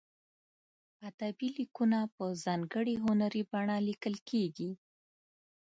ادبي لیکونه په ځانګړې هنري بڼه لیکل کیږي.